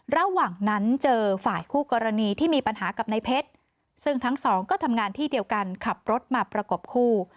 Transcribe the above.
ระหว่างนั้นเจอฝ่ายคู่กรณีที่มีปัญหากับในเพชรซึ่งทั้งสองก็ทำงานที่เดียวกันขับรถมาประกบคู่